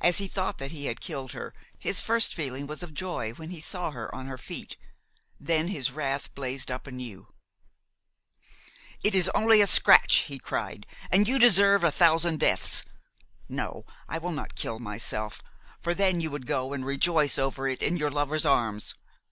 As he thought that he had killed her, his first feeling was of joy when he saw her on her feet; then his wrath blazed up anew. "It is only a scratch," he cried,"and you deserve a thousand deaths! No, I will not kill myself; for then you would go and rejoice over it in your lover's arms.